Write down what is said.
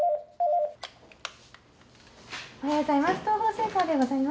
おはようございます。